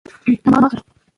همدغه ګرانه